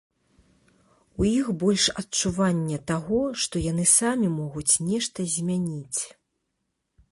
У іх больш адчування таго, што яны самі могуць нешта змяніць.